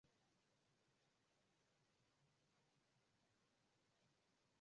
mwaka wa elfu mbili na mbili sauti ya dhahabu ya mwaka wa elfu mbili